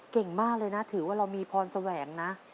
เก่งมากเลยนะถือว่าเรามีพรแสวงนะ